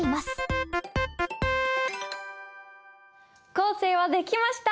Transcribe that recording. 構成は出来ました。